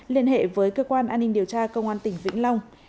liên hệ với cơ quan an ninh điều tra công an tỉnh vĩnh long